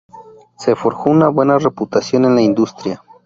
Se forjó una buena reputación en la industria.